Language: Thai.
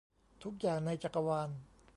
ทุกอย่างในจักรวาล